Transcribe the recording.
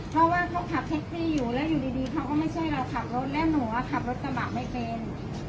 เพราะว่าเขาขับแท็กซี่อยู่แล้วอยู่ดีเขาก็ไม่ใช่เราขับรถแล้วหนูขับรถกระบะไม่เป็น